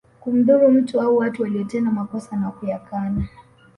Kumdhuru mtu au watu waliotenda makosa na kuyakana